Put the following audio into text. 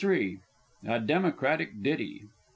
A DEMOCRATIC DITTY.